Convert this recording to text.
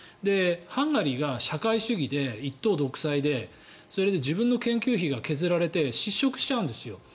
ハンガリーが社会主義で一党独裁でそれで自分の研究費が削られて失職しちゃうんですよ。